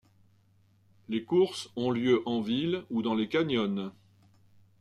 Les courses ont lieu en ville ou dans les canyons.